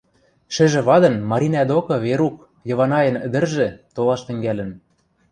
Шӹжӹ вадын Маринӓ докы Верук, Йыванайын ӹдӹржӹ, толаш тӹнгӓлӹн.